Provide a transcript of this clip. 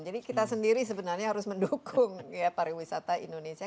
jadi kita sendiri sebenarnya harus mendukung pariwisata indonesia